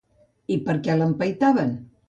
I per què l'empaitaven?